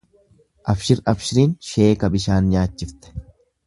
Aabshir aabshirin sheeka bishaan nyaachifte.